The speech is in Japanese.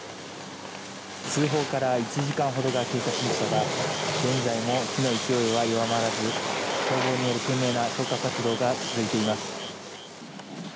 通報から１時間ほどが経過しましたが、現在も火の勢いは弱まらず、消防による懸命な消火活動が続いています。